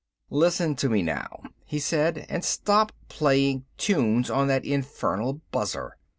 "Listen to me now," he said, "and stop playing tunes on that infernal buzzer."